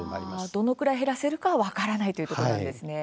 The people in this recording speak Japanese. どのくらい減らせるかは分からないということなんですね。